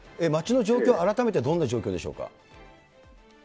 町の状況、改めてどんな状況でしょうか。